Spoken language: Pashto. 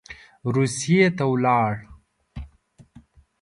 روسیې ته ولاړ.